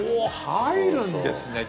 入るんですね